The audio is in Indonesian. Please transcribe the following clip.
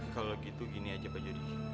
kalau gitu gini aja pak judi